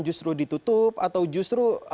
justru ditutup atau justru